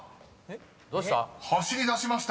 どうした？